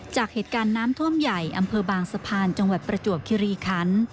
จากเหตุการณ์น้ำท่วมใหญ่อำเภอบางสะพานจังหวัดประจวบคิริคัน